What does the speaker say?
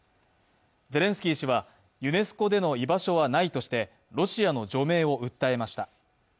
ゼレンスキー氏はユネスコでの居場所はないとしてロシアの除名を訴えました。